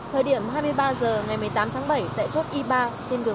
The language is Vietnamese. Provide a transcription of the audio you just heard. thời điểm hai mươi ba h ngày một mươi tám tháng bảy tại chốt y ba